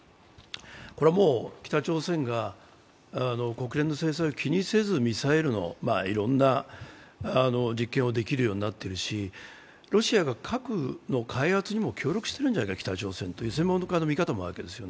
これは北朝鮮が国連の制裁を気にせずミサイルのいろんな実験をできるようになってるしロシアが北朝鮮の核の開発にも協力しているんじゃないかという専門家の見方もあったりする。